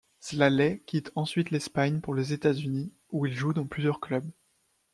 Szalay quitte ensuite l'Espagne pour les États-Unis, où il joue dans plusieurs clubs.